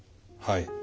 はい。